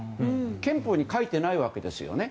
憲法に書いてないわけですよね。